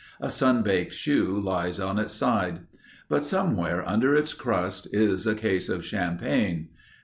A sunbaked shoe lies on its side. But somewhere under its crust is a case of champagne.